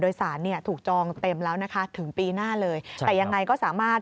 นอกจากนั้นคุณผู้ชมเรื่องของสิ่งอำนวยความสะดวก